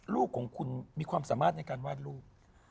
ลูกของคุณมีความสามารถในการวาดรูป